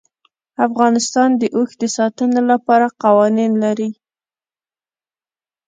افغانستان د اوښ د ساتنې لپاره قوانین لري.